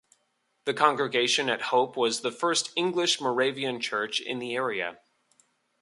The congregation at Hope was the first "English" Moravian church in the area.